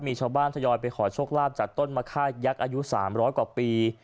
มีชาวบ้านทยอยไปขอโชคลาภจากต้นมะค่ายักษ์อายุ๓๐๐กว่าปี